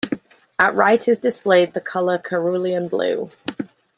At right is displayed the colour cerulean blue.